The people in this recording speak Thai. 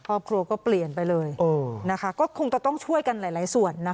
ครอบครัวก็เปลี่ยนไปเลยคงต้องช่วยกันหลายส่วน